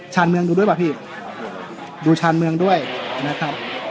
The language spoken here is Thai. ชาญเมืองดูด้วยป่ะพี่ดูชานเมืองด้วยนะครับ